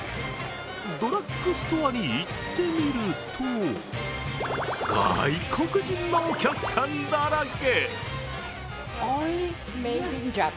ドラッグストアに行ってみると外国人のお客さんだらけ。